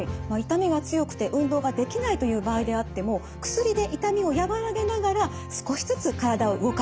痛みが強くて運動ができないという場合であっても薬で痛みを和らげながら少しずつ体を動かすというのがおすすめなんです。